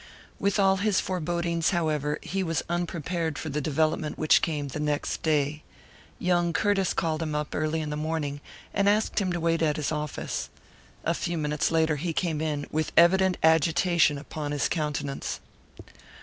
With all his forebodings, however, he was unprepared for the development which came the next day. Young Curtiss called him up, early in the morning, and asked him to wait at his office. A few minutes later he came in, with evident agitation upon his countenance.